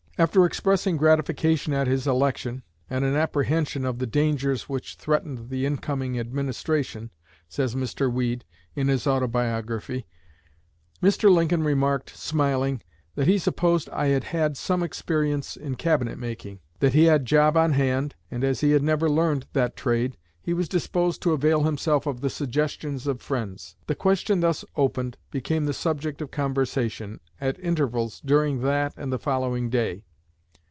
After expressing gratification at his election, and an apprehension of the dangers which threatened the incoming administration, says Mr. Weed, in his autobiography, "Mr. Lincoln remarked, smiling, that he supposed I had had some experience in cabinet making; that he had job on hand, and as he had never learned that trade he was disposed to avail himself of the suggestions of friends. The question thus opened became the subject of conversation, at intervals, during that and the following day.